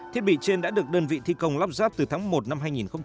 thiết bị trên đã được đơn vị thi công lắp ráp từ tháng một năm hai nghìn hai mươi